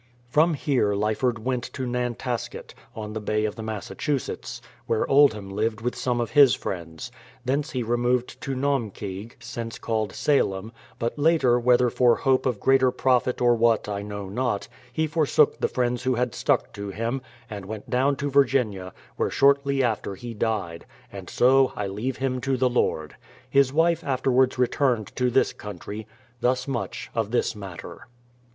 From here Lyford went to Nantasket, on the Bay of the Massachusetts, where Oldham lived with some of his friends. Thence he removed to Naumkeag, since called Salem; but later, whether for hope of greater profit or what I know not, he forsook the friends who had stuck to him, and went down to Virginia, where shortly after he died; and so I leave him to the Lord. His wife afterwards re turned to this country ; thus much of this matter.